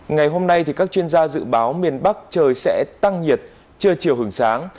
ngày hôm nay các chuyên gia dự báo miền bắc trời sẽ tăng nhiệt trưa chiều hưởng sáng